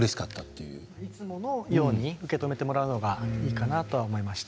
いつものように受け止めてくれるのがいいかなと思いました。